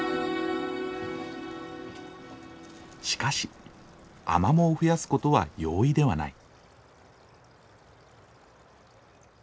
しかしアマモを増やすことは容易ではない。